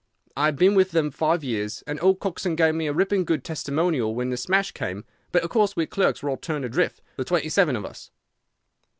I had been with them five years, and old Coxon gave me a ripping good testimonial when the smash came, but of course we clerks were all turned adrift, the twenty seven of us.